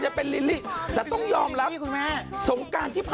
จะเอาเธอแค่คนดี